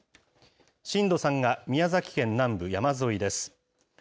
震度３が宮崎県南部山沿いです。